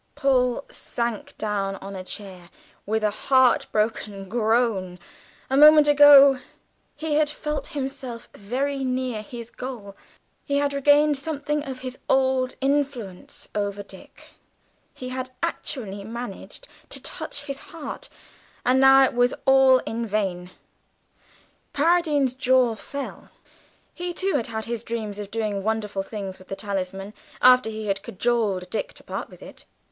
Paul sank down on a chair with a heartbroken groan; a moment ago he had felt himself very near his goal, he had regained something of his old influence over Dick, he had actually managed to touch his heart and now it was all in vain! Paradine's jaw fell; he, too, had had his dreams of doing wonderful things with the talisman after he had cajoled Dick to part with it.